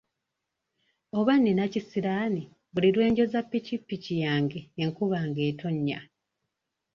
Oba nina kisiraani buli lwe njoza pikipiki yange enkuba ng'etonnya.